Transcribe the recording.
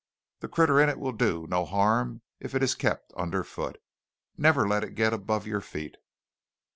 The critter in it will do no harm if it is kept underfoot. Never let it get above your feet!"